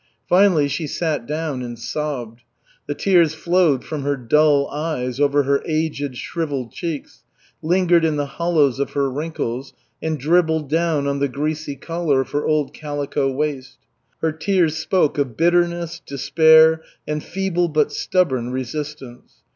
Finally she sat down and sobbed. The tears flowed from her dull eyes over her aged shrivelled cheeks, lingered in the hollows of her wrinkles, and dribbled down on the greasy collar of her old calico waist. Her tears spoke of bitterness, despair, and feeble, but stubborn resistance.